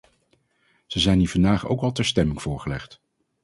Ze zijn hier vandaag ook al ter stemming voorgelegd.